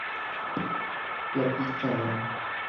La pista No.